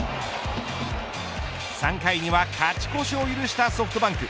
３回には勝ち越しを許したソフトバンク。